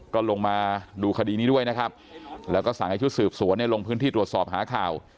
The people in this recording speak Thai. ก็ลงมาดูคดีนี้ด้วยนะครับแล้วก็สั่งให้ชุดสืบสวนเนี่ยลงพื้นที่ตรวจสอบหาข่าว